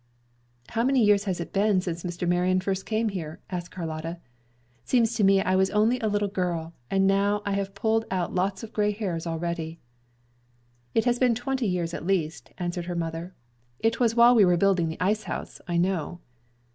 "How many years has it been since Mr. Marion first came here?" asked Carlotta. "Seems to me I was only a little girl, and now I have pulled out lots of gray hairs already." "It has been twenty years at least," answered her mother. "It was while we were building the ice house, I know."